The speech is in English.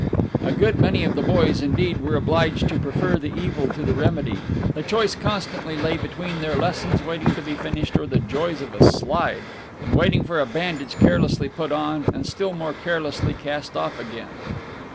A good many of the boys indeed were obliged to prefer the evil to the remedy; the choice constantly lay between their lessons waiting to be finished or the joys of a slide, and waiting for a bandage carelessly put on, and still more carelessly cast off again.